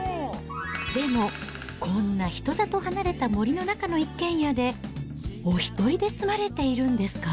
でも、こんな人里離れた森の中の一軒家で、おひとりで住まれているんですか？